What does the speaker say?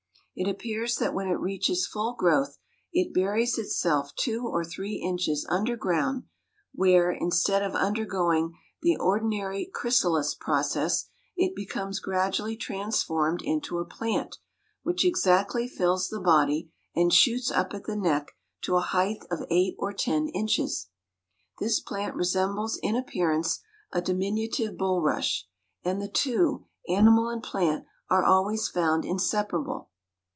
It appears that when it reaches full growth it buries itself two or three inches under ground, where, instead of undergoing the ordinary chrysalis process, it becomes gradually transformed into a plant, which exactly fills the body, and shoots up at the neck to a height of eight or ten inches. This plant resembles in appearance a diminutive bulrush; and the two, animal and plant, are always found inseparable.